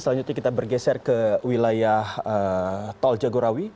selanjutnya kita bergeser ke wilayah tol jagorawi